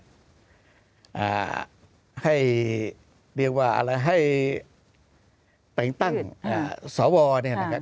อ่าให้เรียกว่าอะไรให้แต่งตั้งอ่าสวเนี่ยนะครับ